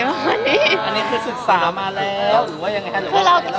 อันนี้คือศึกษามาแล้ว